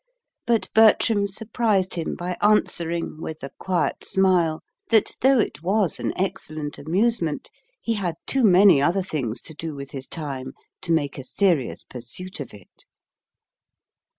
But Bertram surprised him by answering, with a quiet smile, that though it was an excellent amusement, he had too many other things to do with his time to make a serious pursuit of it.